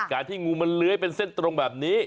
การที่งูมันเลื้อยเป็นเส้นตรงแบบนี้